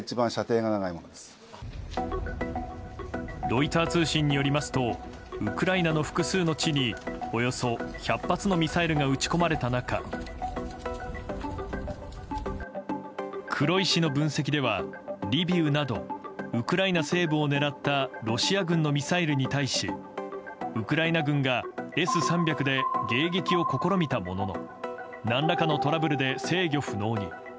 ロイター通信によりますとウクライナの複数の地におよそ１００発のミサイルが撃ち込まれた中黒井氏の分析ではリビウなどウクライナ西部を狙ったロシア軍のミサイルに対しウクライナ軍がＳ３００で迎撃を試みたものの何らかのトラブルで制御不能に。